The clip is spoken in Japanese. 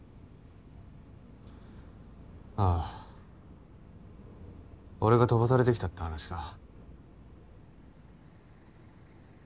ああ俺が飛ばされてきたって話か。